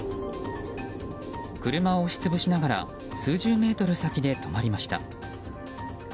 車を押し潰しながら数十メートル先で止まりました。